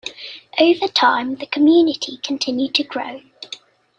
Over time, the community continued to grow.